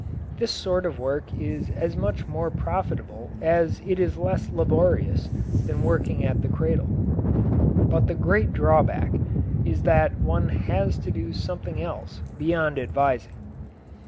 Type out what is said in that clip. This sort of work is as much more profitable as it is less laborious than working at the cradle. But the great drawback is that one has to do something else beyond advising.